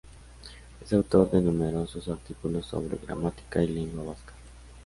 Es autor de numerosos artículos sobre gramática y lengua vasca.